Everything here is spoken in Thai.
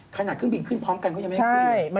ขนาดเครื่องบินขึ้นพร้อมกันก็ยังไม่มีเครื่องบิน